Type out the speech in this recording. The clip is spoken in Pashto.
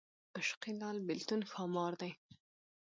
عاشقي لال بېلتون ښامار دی